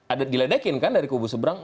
ada diledekin kan dari kubu seberang